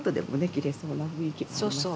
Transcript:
着れそうな雰囲気もありますもんね。